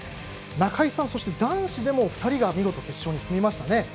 中井さん、男子でも２人が見事、決勝に進みましたね